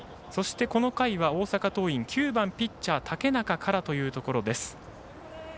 この回は、大阪桐蔭９番ピッチャー竹中からというところです。